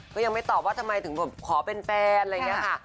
ก็ยังไม่ตอบว่าทำไมถึงแบบขอเป็นแฟนอะไรอย่างนี้ค่ะ